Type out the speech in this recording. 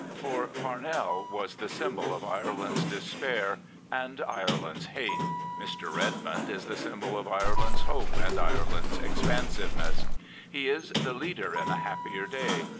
For Parnell was the symbol of Ireland's despair and Ireland's hate; Mr. Redmond is the symbol of Ire land's hope and Ireland's expansiveness. He is the leader in a happier day.